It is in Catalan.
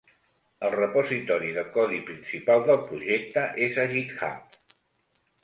El repositori de codi principal del projecte és a GitHub.